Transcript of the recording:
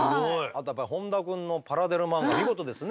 あとやっぱり本多くんのパラデル漫画見事ですね。